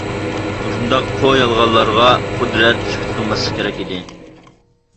مۇشۇنداق پو، يالغانلارغا قۇدرەت سۈكۈت قىلماسلىقى كېرەك ئىدى.